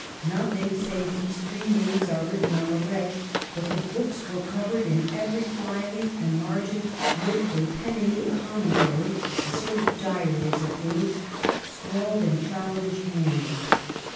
Nothing save these three names was written on the ledge, but the books were covered in every fly leaf and margin with a pen and ink commentary, a sort of diary, as it proved, scrawled in a childish hand.